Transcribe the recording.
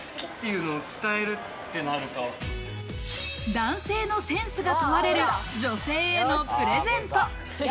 男性のセンスが問われる女性へのプレゼント。